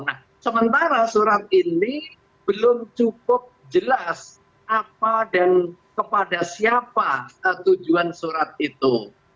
nah sementara surat ini belum cukup jelas apa dan kepada siapa tujuan surat itu